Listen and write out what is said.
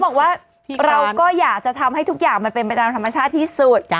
บอกว่าเราก็อยากจะทำให้ทุกอย่างมันเป็นไปตามธรรมชาติที่สุด